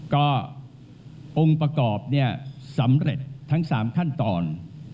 ก็องค์ประกอบเนี่ยสำเร็จทั้ง๓ขั้นตอน